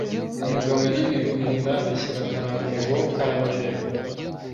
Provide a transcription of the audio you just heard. Umugabo yananiwe kwenda, abeshyera akarago ngo karanyerera